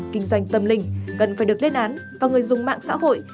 kinh doanh tâm linh cần phải được lên án và người dùng mạng xã hội